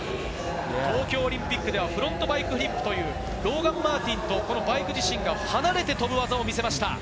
東京オリンピックではフロントバイクフリップというローガン・マーティンとバイク自身が離れて飛ぶ技を見せました。